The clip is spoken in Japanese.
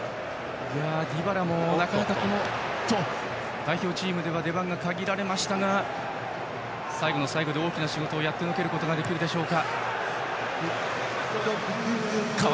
ディバラも代表チームでは出番が限られましたが最後の最後で大きな仕事をやってのけることができるでしょうか。